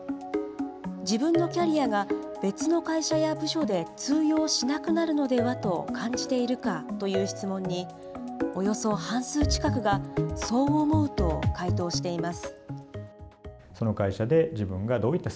自分のキャリアが別の会社や部署で通用しなくなるのではと感じているかという質問に、およそ半数近くがそう思うと回答しています。